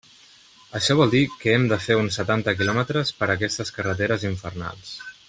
Això vol dir que hem de fer uns setanta quilòmetres per aquestes carreteres infernals.